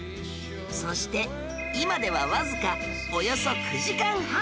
そして今ではわずかおよそ９時間半！